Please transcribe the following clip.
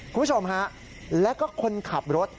คุณผู้ชมฮะแล้วก็คนขับรถ